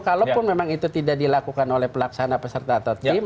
kalaupun memang itu tidak dilakukan oleh pelaksana peserta atau tim